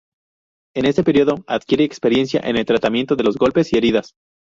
En este periodo adquiere experiencia en el tratamiento de los golpes y heridas.